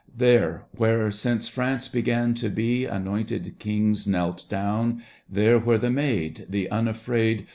There where, since France began to be, Anointed kings knelt down, There where the Maid, the unafraid.